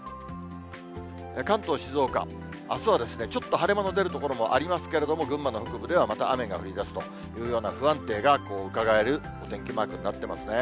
関東、静岡、あすはちょっと晴れ間の出る所もありますけれども、群馬の北部ではまた雨が降りだすというような不安定がうかがえるお天気マークになっていますね。